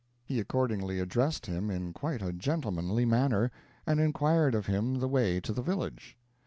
He accordingly addressed him in quite a gentlemanly manner, and inquired of him the way to the village.